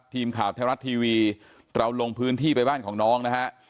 ทีมข่าวไทยรัฐทีวีเราลงพื้นที่ไปบ้านของน้องนะฮะ